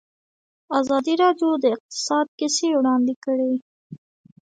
ازادي راډیو د اقتصاد کیسې وړاندې کړي.